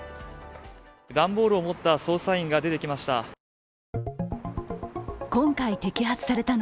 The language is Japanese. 段ボールを持った捜査員が出てきました。